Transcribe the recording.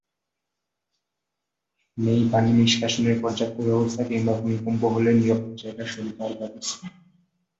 নেই পানিনিষ্কাশনের পর্যাপ্ত ব্যবস্থা কিংবা ভূমিকম্প হলে নিরাপদ জায়গায় সরে যাওয়ার ব্যবস্থা।